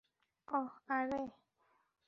ওহ্, আরে।